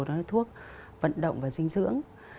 đó là thuốc vận động và dinh dưỡng